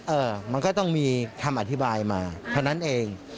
เออมันก็ต้องมีคำอธิบายมาเท่านั้นเอง